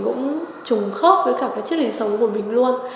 cũng trùng khớp với cả cái chiếc lề sống của mình luôn